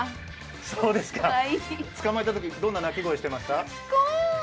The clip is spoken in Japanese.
そうですか捕まえたときどんな鳴き声してました？